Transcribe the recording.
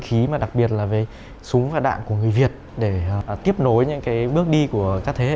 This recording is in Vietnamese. khí mà đặc biệt là về súng và đạn của người việt để tiếp nối những cái bước đi của các thế hệ